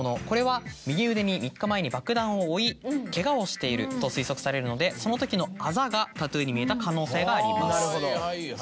これは右腕に３日前に爆弾を負いケガをしていると推測されるのでそのときのあざがタトゥーに見えた可能性があります。